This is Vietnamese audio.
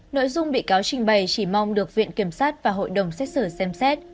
nội dung bị cáo trình bày chỉ mong được viện kiểm sát và hội đồng xét xử xem xét